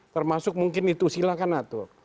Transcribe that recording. termasuk mungkin itu silakan atur